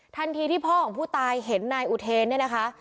ที่พ่อของผู้ตายเห็นนายอุเทนเนี่ยนะคะ